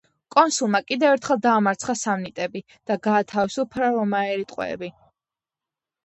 კონსულმა კიდევ ერთხელ დაამარცხა სამნიტები და გაათავისუფლა რომაელი ტყვეები.